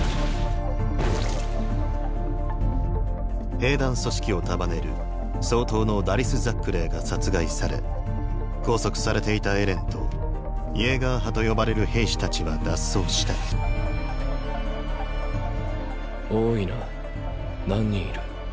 兵団組織を束ねる総統のダリス・ザックレーが殺害され拘束されていたエレンとイェーガー派と呼ばれる兵士たちは脱走した多いな何人いる？